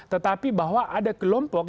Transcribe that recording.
tetapi bahwa ada kelompok